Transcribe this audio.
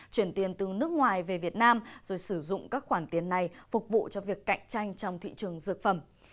chuyển tiền từ nước ngoài về việt nam rồi sử dụng các khoản tiền này phục vụ cho việc cạnh tranh trong thị trường dược phẩm